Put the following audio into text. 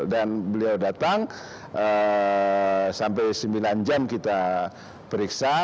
dan beliau datang sampai sembilan jam kita periksa